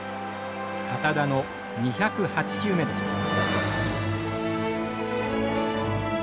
堅田の２０８球目でした。